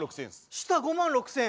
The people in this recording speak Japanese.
下５万６，０００？